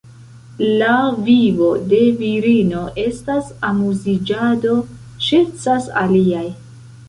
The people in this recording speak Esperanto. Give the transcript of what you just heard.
La vivo de virino estas amuziĝado, ŝercas aliaj.